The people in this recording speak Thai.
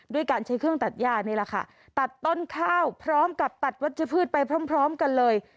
ด้วยการใช้เครื่องตัดย่านี่แหละค่ะตัดต้นข้าวพร้อมกับตัดวัชพืชไปพร้อมพร้อมกันเลย